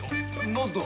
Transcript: なぜだ？